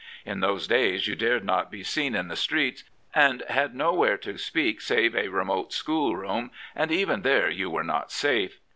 In those days you dared not be seen in the streets and had nowhere to speak save a remote schoolroom, and even there you were not safe.